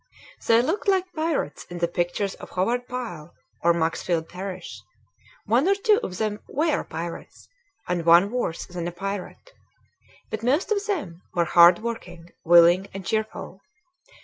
They looked like pirates in the pictures of Howard Pyle or Maxfield Parrish; one or two of them were pirates, and one worse than a pirate; but most of them were hard working, willing, and cheerful.